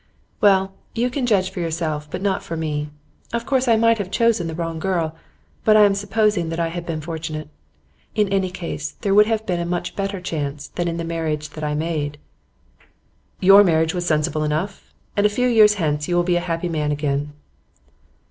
'Well, you can judge for yourself but not for me. Of course I might have chosen the wrong girl, but I am supposing that I had been fortunate. In any case there would have been a much better chance than in the marriage that I made.' 'Your marriage was sensible enough, and a few years hence you will be a happy man again.